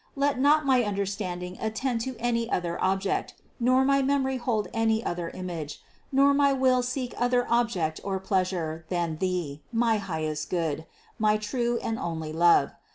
Let not my understanding attend to any other object, nor my memory hold any other image, nor my will seek other object or pleasure than Thee, my highest Good, my true and only Love.